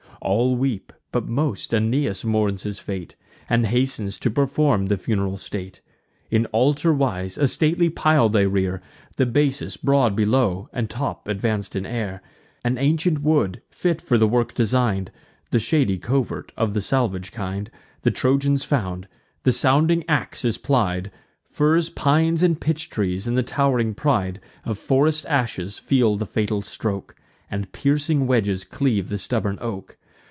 All weep; but most Aeneas mourns his fate, And hastens to perform the funeral state. In altar wise, a stately pile they rear; The basis broad below, and top advanc'd in air. An ancient wood, fit for the work design'd, (The shady covert of the salvage kind,) The Trojans found: the sounding ax is plied; Firs, pines, and pitch trees, and the tow'ring pride Of forest ashes, feel the fatal stroke, And piercing wedges cleave the stubborn oak.